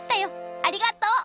ありがとう！